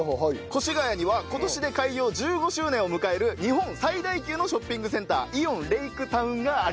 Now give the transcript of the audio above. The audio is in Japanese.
越谷には今年で開業１５周年を迎える日本最大級のショッピングセンターイオンレイクタウンがあります。